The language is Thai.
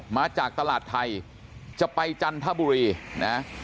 มาจากตลาดไทยจะไปจันทบุรีนะ